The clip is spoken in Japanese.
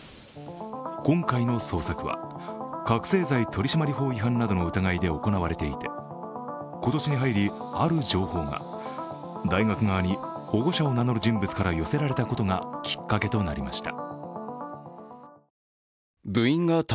今回の捜索は、覚醒剤取締法違反などの疑いで行われていて、今年に入り、ある情報が大学側に保護者を名乗る人物から寄せられたことがきっかけとなりました。